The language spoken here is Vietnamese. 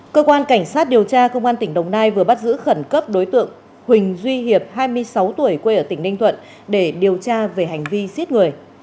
cơ quan cảnh sát điều tra công an tỉnh đồng nai vừa bắt giữ khẩn cấp đối tượng huỳnh duy hiệp hai mươi sáu tuổi quê ở tỉnh ninh thuận để điều tra về hành vi giết người